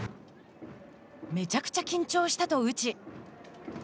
めちゃくちゃ緊張したと内。